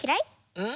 うん？